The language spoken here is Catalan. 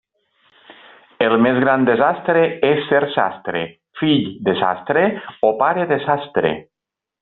El més gran desastre és ser sastre, fill de sastre o pare de sastre.